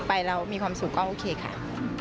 ไปแล้วมีความสุขก็โอเคค่ะ